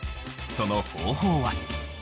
その方法は。